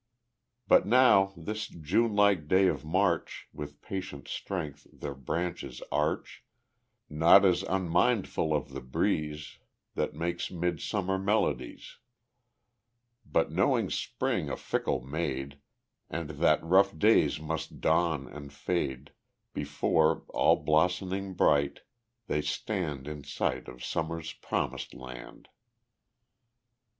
But now this June like day of March With patient strength their branches arch, Not as unmindful of the breeze That makes midsummer melodies, But knowing Spring a fickle maid, And that rough days must dawn and fade Before, all blossoming bright, they stand In sight of Summer's Promised Land.